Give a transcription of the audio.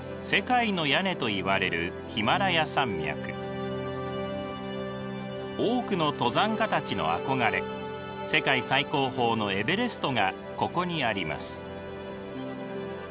世界の屋根といわれる多くの登山家たちの憧れ世界最高峰のエベレストがここにあります。